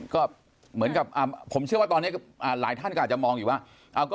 ก็เหมือนกับผมเชื่อว่าตอนนี้หลายท่านก็อาจจะมองอยู่ว่า